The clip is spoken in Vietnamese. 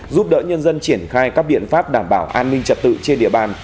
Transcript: giúp đỡ nhân dân triển khai các biện pháp đảm bảo an ninh trật tự trên địa bàn